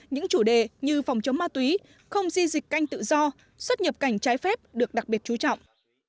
những chủ đề như phòng chống ma túy không di dịch canh tự do xuất nhập cảnh trái phép được đặc biệt chú trọng